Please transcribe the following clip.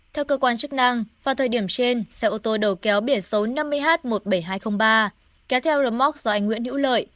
theo cơ quan chức năng vào thời điểm trên xe ô tô đầu kéo biển số năm mươi h một mươi bảy nghìn hai trăm linh ba kéo theo rơm móc do anh nguyễn hữu lợi